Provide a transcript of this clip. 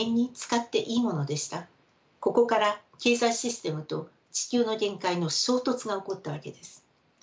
ここから経済システムと地球の限界の衝突が起こったわけです。